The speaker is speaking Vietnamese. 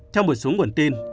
theo một số nguồn tin